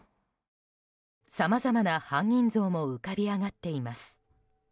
さまざまな犯人像も浮かび上がっています。